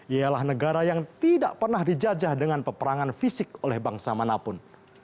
ialah negara yang tidak pernah dijajah dengan peperangan fisik oleh bangsa manapun